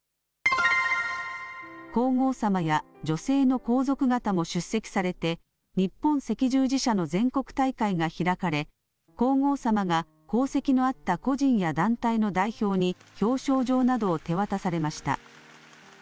皇后さまや女性の皇族方も出席されて日本赤十字社の全国大会が開かれ、皇后さまが功績のあった個人や団体の代表に表彰状などを手渡されました。